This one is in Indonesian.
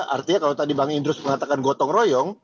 artinya kalau tadi bang idrus mengatakan gotong royong